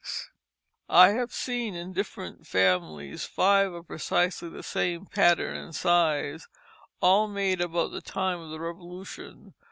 [Illustration: pincushion] I have seen in different families five of precisely the same pattern and size, all made about the time of the Revolution.